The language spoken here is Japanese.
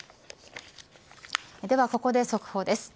では、ここで速報です。